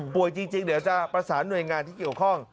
จริงเดี๋ยวจะประสานหน่วยงานที่เกี่ยวข้อง